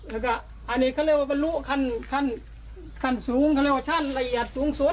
แล้วก็อันนี้เขาเรียกว่าบรรลุขั้นขั้นสูงเขาเรียกว่าขั้นละเอียดสูงสุด